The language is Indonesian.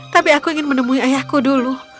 tapi aku ingin menemui ayahku dulu